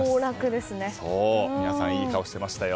皆さん、いい顔してましたよ。